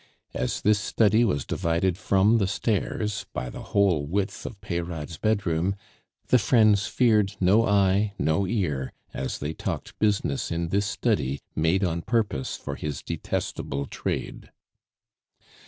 As this study was divided from the stairs by the whole width of Peyrade's bedroom, the friends feared no eye, no ear, as they talked business in this study made on purpose for his detestable trade.